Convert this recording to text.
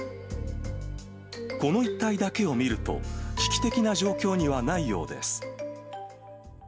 この一帯だけを見ると、危機的な状況にはないようです。